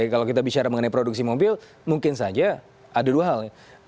kalau kita bicara mengenai produksi mobil mungkin saja ada dua hal ya